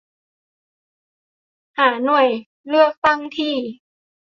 หาหน่วยเลือกตั้งที่